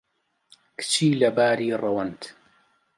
کچی لەباری ڕەوەند